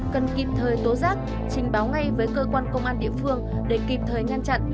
cần kịp thời tố giác trình báo ngay với cơ quan công an địa phương để kịp thời ngăn chặn